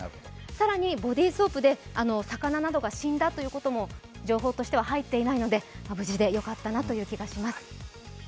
更に、ボディーソープで魚などが死んだということも情報としては入っていないので、無事でよかったなと思います。